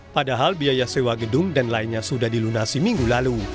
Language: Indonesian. padahal biaya sewa gedung dan lainnya sudah dilunasi minggu lalu